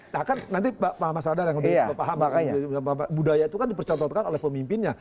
nah kan nanti pak mas radar yang lebih paham budaya itu kan dipercontohkan oleh pemimpinnya